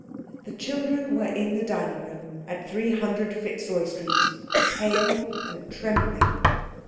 The children were in the dining room at 300, Fitzroy Street, pale and trembling.